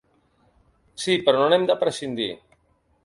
Sí, però no n’hem de prescindir.